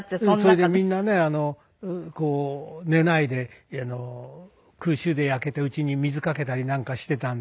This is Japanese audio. それでみんなね寝ないで空襲で焼けた家に水かけたりなんかしていたんで。